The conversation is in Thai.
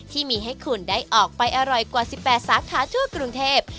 ที่มีให้คุณได้ออกไปอร่อยกว่า๑๘สาขาทั่วกรุงเทพ